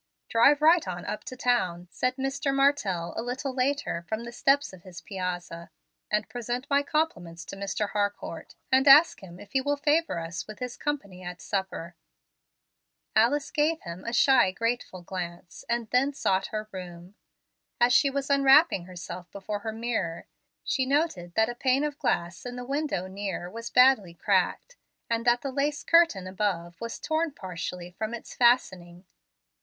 "Drive right on up to town," said Mr. Martell, a little later, from the steps of his piazza, "and present my compliments to Mr. Harcourt, and ask him if he will favor us with his company at supper." Alice gave him a shy, grateful glance, and then sought her room. As she was unwrapping herself before her mirror, she noted that a pane of glass in the window near was badly cracked, and that the lace curtain above was torn partially from its fastening.